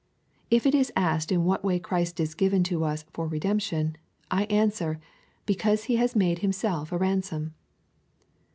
If it is asked in what way Christ is given to us for redemption, I answer —" Because lie made himself a ransom."